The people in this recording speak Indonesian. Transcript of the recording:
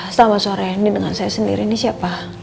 selama sore ini dengan saya sendiri ini siapa